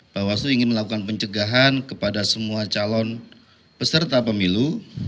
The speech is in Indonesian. bawaslu ingin melakukan pencegahan kepada semua calon peserta pemilu